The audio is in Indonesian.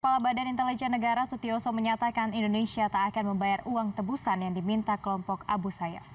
kepala badan intelijen negara sutioso menyatakan indonesia tak akan membayar uang tebusan yang diminta kelompok abu sayyaf